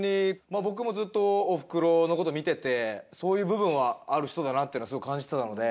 僕もずっとおふくろの事見ててそういう部分はある人だなっていうのすごく感じてたので。